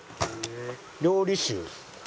料理酒。